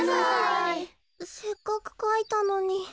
せっかくかいたのに。